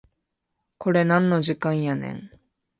これなんの時間やねん